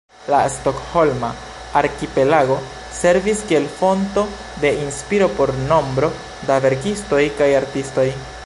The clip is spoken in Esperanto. La Stokholma arkipelago servis kiel fonto de inspiro por nombro da verkistoj kaj artistoj.